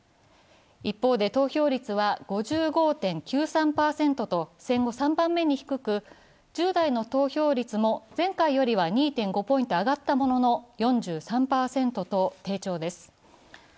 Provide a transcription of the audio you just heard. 一方で投票率は５５．９３％と、戦後３番目に低く１０代の投票率も前回よりは２．５ポイント上がったものの４３％と低調です。